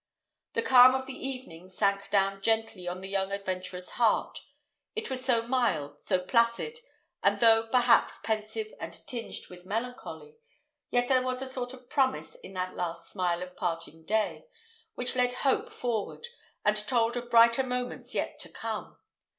The calm of the evening sank down gently on the young adventurer's heart: it was so mild, so placid; and though, perhaps, pensive and tinged with melancholy, yet there was a sort of promise in that last smile of parting day, which led Hope forward, and told of brighter moments yet to come.